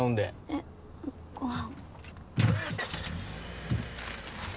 えっご飯。